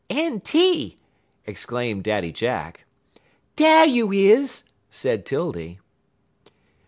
"Enty!" exclaimed Daddy Jack. "Dar you is!" said 'Tildy.